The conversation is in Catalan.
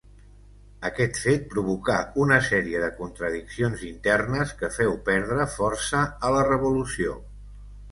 Aquest fet provocà una sèrie de contradiccions internes que féu perdre força a la revolució.